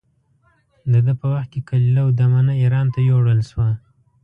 د ده په وخت کې کلیله و دمنه اېران ته یووړل شوه.